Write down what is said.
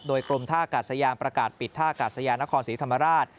โดยกรมท่ากาศยานประกาศปิดท่ากาศยานนครศรีธรรมราช